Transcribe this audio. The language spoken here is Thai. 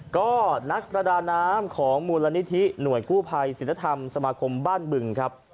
ก็นักประดาน้ำของมูลนิธิหน่วยกู้ภัยศิลธรรมสมาคมบ้านบึงครับ